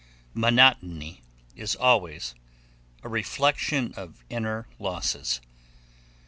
Monotony is always a reflection of inner losses.